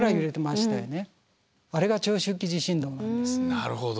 なるほど。